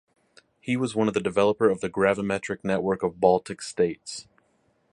He was one of the developer of the gravimetric network of Baltic states.